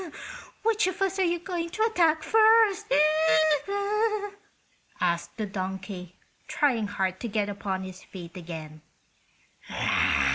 "Which of us are you going to attack first?" asked the donkey, trying hard to get upon his feet again.